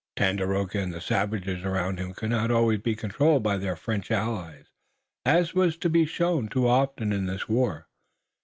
Tandakora and the savages around him could not always be controlled by their French allies, as was to be shown too often in this war.